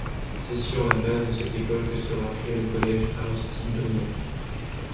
C'est sur la base de cette école que sera créé le collège Aristide-Briand.